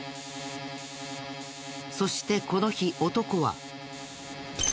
そしてこの日男は。